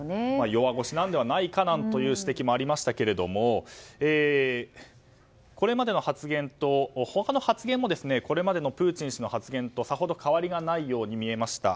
弱腰なのではないかという指摘もありましたがこれまでの発言と、他の発言もこれまでのプーチン氏の発言とさほど変わりがないように見えました。